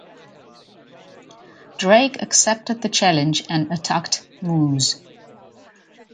Drake accepted the challenge and attacked Moose.